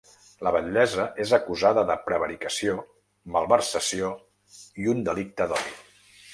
La batllessa és acusada de prevaricació, malversació i un delicte d’odi.